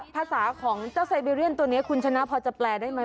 ภาษาของเจ้าไซเบเรียนตัวนี้คุณชนะพอจะแปลได้ไหม